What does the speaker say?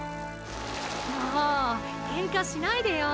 もうーケンカしないでよー。